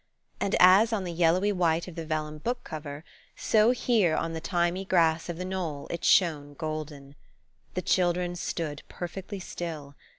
And as on the yellowy white of the vellum book cover, so here on the thymy grass of the knoll it shone golden. The children stood perfectly still.